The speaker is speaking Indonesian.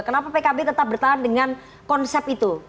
kenapa pkb tetap bertahan dengan konsep itu